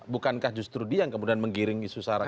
bukankah justru dia yang kemudian menggiring isu sarah